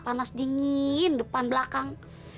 panas dingin depan belakang